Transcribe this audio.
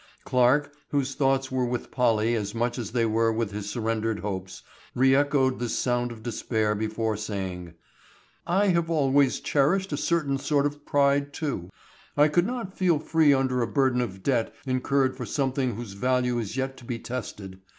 Clarke, whose thoughts were with Polly as much as they were with his surrendered hopes, re echoed this sound of despair before saying: "I have always cherished a certain sort of pride, too. I could not feel free under a burden of debt incurred for something whose value is yet to be tested.